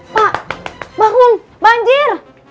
pak bangun banjir